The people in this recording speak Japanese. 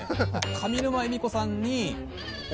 上沼恵美子さんに。